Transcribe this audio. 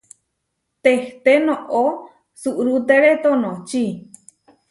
Tehté noʼó suʼrútere tonočí.